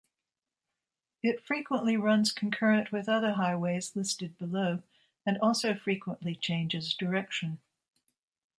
It frequently runs concurrent with other highways listed below and also frequently changes direction.